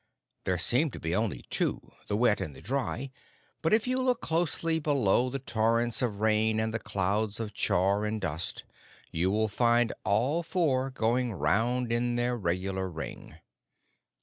There seem to be only two the wet and the dry; but if you look closely below the torrents of rain and the clouds of char and dust you will find all four going round in their regular ring.